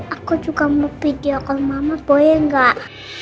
aku juga mau video ke mama boleh gak